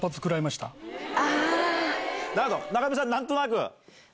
中山さん何となく？